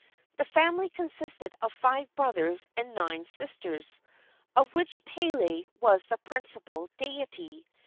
The family consisted of five brothers and nine sisters, of which Pele was the principal deity.